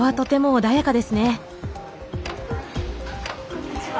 こんにちは。